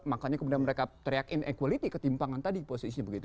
makanya kemudian mereka teriak inequality ketimpangan tadi posisinya begitu